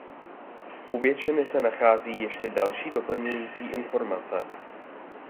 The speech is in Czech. U většiny se nachází ještě další doplňující informace.